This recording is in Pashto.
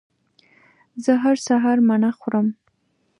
زه هر سهار مڼه خورم